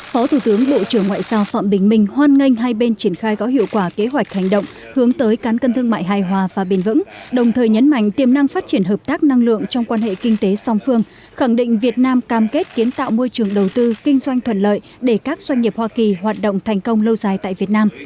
phó thủ tướng bộ trưởng ngoại giao phạm bình minh hoan nghênh hai bên triển khai có hiệu quả kế hoạch hành động hướng tới cán cân thương mại hài hòa và bền vững đồng thời nhấn mạnh tiềm năng phát triển hợp tác năng lượng trong quan hệ kinh tế song phương khẳng định việt nam cam kết kiến tạo môi trường đầu tư kinh doanh thuận lợi để các doanh nghiệp hoa kỳ hoạt động thành công lâu dài tại việt nam